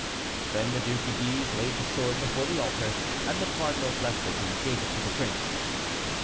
Then the Duc de Guise laid the sword before the altar, and the cardinal blessed it and gave it to the prince.